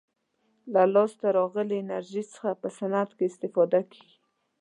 له لاسته راغلې انرژي څخه په صنعت کې استفاده کیږي.